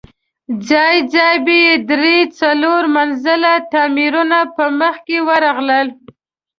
ځای ځای به درې، څلور منزله تاميرونه په مخه ورغلل.